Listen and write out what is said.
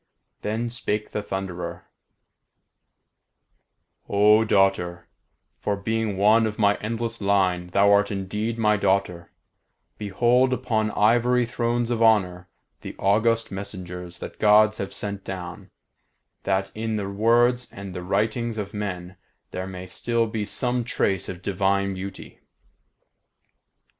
Then spake the Thunderer: "O daughter, for, being one of my endless line, thou art indeed my daughter, behold upon ivory thrones of honour the august messengers that Gods have sent down, that in the words and the writings of men there may still be some trace of divine beauty.